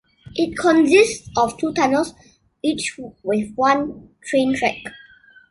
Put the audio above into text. It consists of two tunnels, each with one train track.